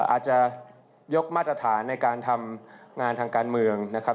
อาจจะยกมาตรฐานในการทำงานทางการเมืองนะครับ